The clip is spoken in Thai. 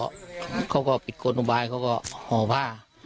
แต่เขาก็ปิดโกตุบายเขาก็หอพ่า